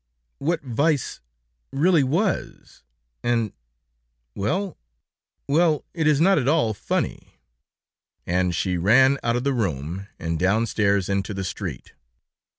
what vice ... really was, ... and ... well ... well, it is not at all funny." And she ran out of the room, and downstairs into the street.